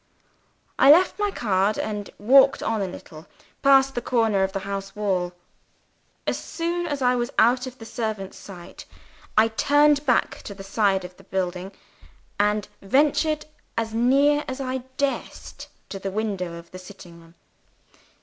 I left my card and walked on a little, past the corner of the house wall. As soon as I was out of the servant's sight, I turned back to the side of the building, and ventured as near as I durst to the window of the sitting room.